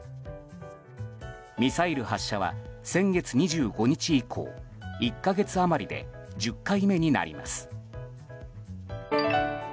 ミサイル発射は先月２５日以降１か月余りで１０回目になります。